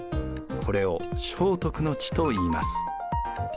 これを正徳の治といいます。